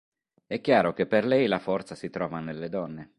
È chiaro che per lei la forza si trova nelle donne.